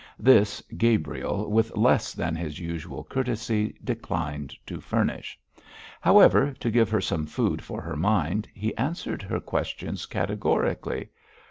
This, Gabriel, with less than his usual courtesy, declined to furnish. However, to give her some food for her mind, he answered her questions categorically.